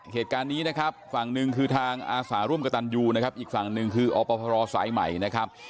เหตุการณ์นี้นะครับฝั่งหนึ่งคือทางอาสาร่วมกับตันยูนะครับอีกฝั่งหนึ่งคืออพรสายใหม่นะครับ